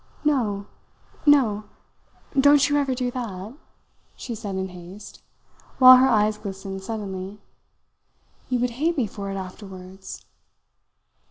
"No! No! Don't you ever do that," she said in haste, while her eyes glistened suddenly. "You would hate me for it afterwards!"